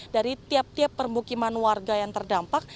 dari tiap tiap permukiman warga yang terdampak